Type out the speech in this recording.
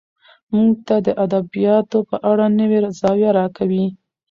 موږ ته د ادبياتو په اړه نوې زاويه راکوي